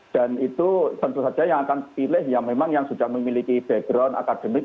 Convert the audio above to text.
dan itu tentu saja yang akan pilih yang memang yang sudah memiliki background akademik